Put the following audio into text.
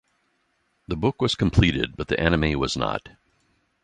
The book was completed but the anime was not.